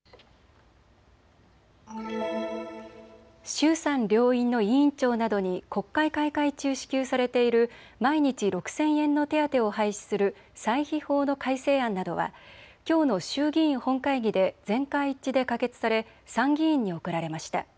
衆参両院の委員長などに国会開会中、支給されている毎日６０００円の手当を廃止する歳費法の改正案などはきょうの衆議院本会議で全会一致で可決され参議院に送られました。